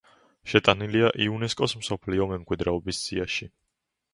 შეტანილია იუნესკოს მსოფლიო მემკვიდრეობის სიაში.